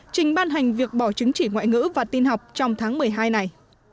trình ban hành việc bỏ chứng chỉ ngoại ngữ và tin học trong tháng một mươi hai này